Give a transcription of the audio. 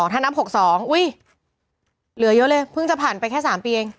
ถ้านับ๖๒อุ้ยเหลือเยอะเลยเพิ่งจะผ่านไปแค่๓ปีเอง